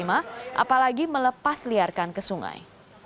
apalagi melepasliarkan ke sungai